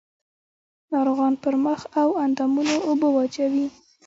ناروغان پر مخ او اندامونو اوبه واچوي.